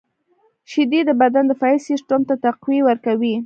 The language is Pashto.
• شیدې د بدن دفاعي سیسټم ته تقویه ورکوي.